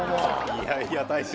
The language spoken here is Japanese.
いやいや大将